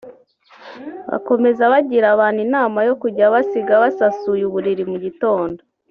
Bakomeza bagira abantu inama yo kujya basiga basasuye uburiri mu gitondo